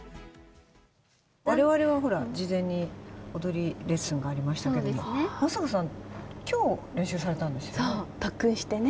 われわれはほら、事前に踊りレッスンがありましたけど、松坂さん、きょう、練習されたんそう、特訓してね。